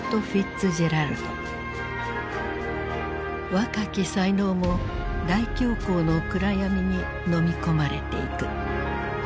若き才能も大恐慌の暗闇にのみ込まれていく。